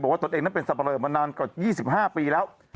บอกว่าตนเองนั้นเป็นสำเริดมานานกว่า๒๕ปีแล้ว